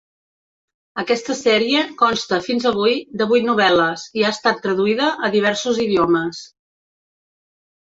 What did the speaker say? Aquesta sèrie consta, fins avui, de vuit novel·les i ha estat traduïda a diversos idiomes.